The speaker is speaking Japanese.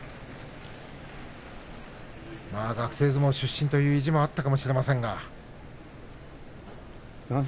学生相撲出身という意地もあったかもしれませんが。